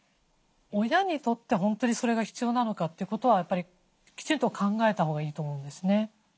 親にとって本当にそれが必要なのかということはやっぱりきちんと考えたほうがいいと思うんですね。